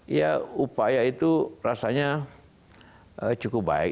ya upaya itu rasanya cukup baik